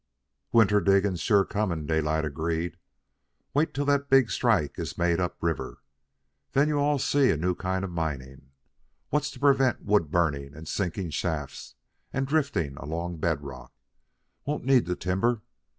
"Winter diggin's sure comin'," Daylight agreed. "Wait till that big strike is made up river. Then you all'll see a new kind of mining. What's to prevent wood burning and sinking shafts and drifting along bed rock? Won't need to timber.